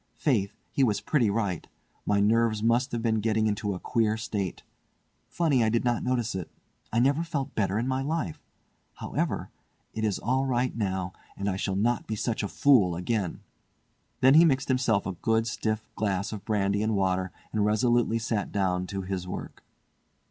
Faith, he was pretty right! My nerves must have been getting into a queer state. Funny I did not notice it. I never felt better in my life. However, it is all right now, and I shall not be such a fool again." Then he mixed himself a good stiff glass of brandy and water and resolutely sat down to his work.